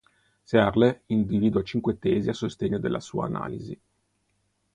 Searle individua cinque tesi a sostegno della sua analisi.